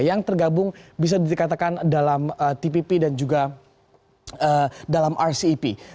yang tergabung bisa dikatakan dalam tpp dan juga dalam rcep